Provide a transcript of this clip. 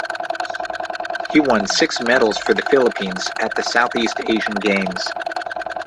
He won six medals for the Philippines at the Southeast Asian Games.